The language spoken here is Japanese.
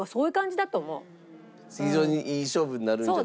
非常にいい勝負になるんじゃないかと。